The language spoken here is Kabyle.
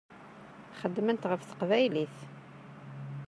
Xeddment ɣef teqbaylit.